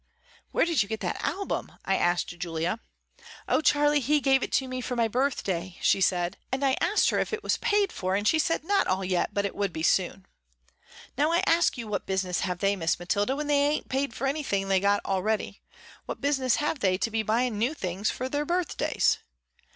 'Where you get that album?' I asked Julia. 'Oh, Charley he gave it to me for my birthday,' she said, and I asked her if it was paid for and she said not all yet but it would be soon. Now I ask you what business have they Miss Mathilda, when they ain't paid for anything they got already, what business have they to be buying new things for her birthdays.